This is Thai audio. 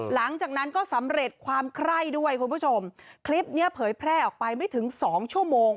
หลังจากนั้นก็สำเร็จความไคร้ด้วยคุณผู้ชมคลิปเนี้ยเผยแพร่ออกไปไม่ถึงสองชั่วโมง